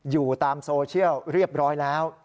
อยู่ตามโซเชียลเรียบร้อยแล้ว